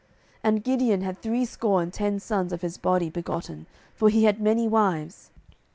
07:008:030 And Gideon had threescore and ten sons of his body begotten: for he had many wives.